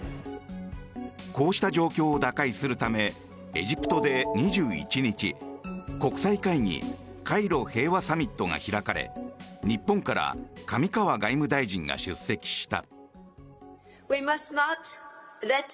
こうした状況を打開するためエジプトで２１日国際会議カイロ平和サミットが開かれ日本から上川外務大臣が出席した。